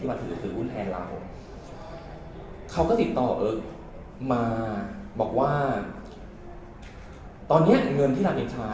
ที่มาถือถือหุ้นแทนเราเขาก็ติดต่อเอ๊ะมาบอกว่าตอนเนี้ยเงินที่รับเงินชา